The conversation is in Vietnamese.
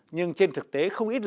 nhưng trên thực tế không ít lễ